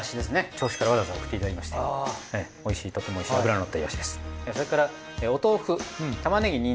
銚子からわざわざ送っていただきましておいしいとってもおいしい脂のったイワシです。